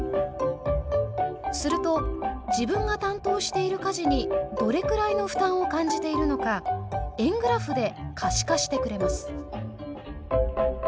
すると自分が担当している家事にどれくらいの負担を感じているのか円グラフで可視化してくれます。